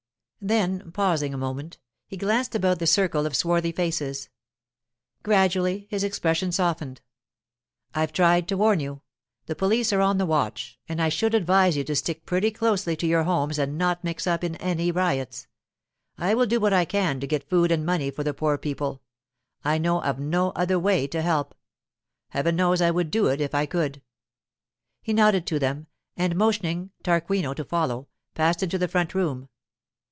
Then pausing a moment, he glanced about the circle of swarthy faces. Gradually his expression softened. 'I've tried to warn you. The police are on the watch, and I should advise you to stick pretty closely to your homes and not mix up in any riots. I will do what I can to get food and money for the poor people—I know of no other way to help. Heaven knows I would do it if I could!' He nodded to them, and motioning Tarquinio to follow, passed into the front room.